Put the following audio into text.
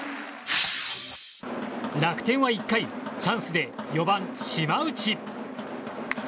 楽天は１回チャンスで４番、島内。